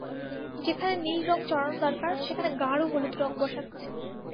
যেখানে নীল রঙ চড়ানো দরকার, সেখানে গাঢ় হলুদ রঙ ব্যসাচ্ছি।